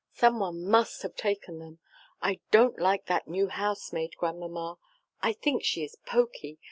Some one must have taken them I don't like that new housemaid, Grandmamma. I think she is pokey.